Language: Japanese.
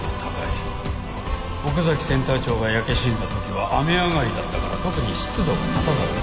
奥崎センター長が焼け死んだ時は雨上がりだったから特に湿度が高かったはずだ。